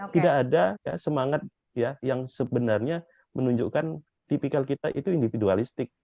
tidak ada semangat ya yang sebenarnya menunjukkan tipikal kita itu individualistik